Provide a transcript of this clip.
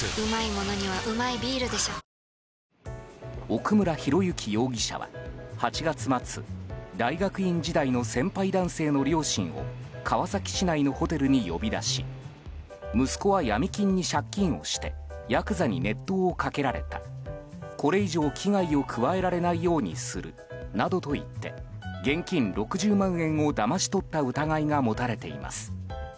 奥村啓志容疑者は８月末大学院時代の先輩男性の両親を川崎市内のホテルに呼び出し息子は闇金に謝金してヤクザに熱湯をかけられたこれ以上、危害を加えられないようにするなどと言って現金６０万円をだまし取った疑いが持たれています。